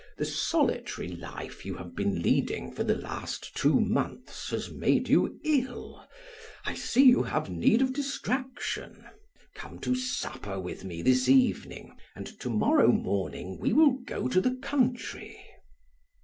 The solitary life you have been leading for the last two months has made you ill, I see you have need of distraction. Come to supper with me this evening, and to morrow morning we will go to the country."